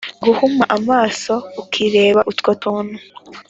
guhuma amaso ukireba utwo tuntu